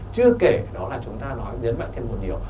chưa kể đó là chúng ta nói nhấn mạnh thêm một điều